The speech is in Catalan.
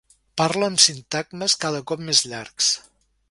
Parla amb sintagmes cada cop més llargs.